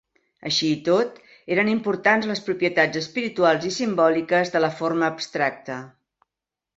Així i tot, eren importants les propietats espirituals i simbòliques de la forma abstracta.